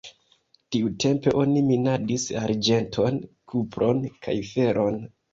Tiutempe oni minadis arĝenton, kupron kaj feron.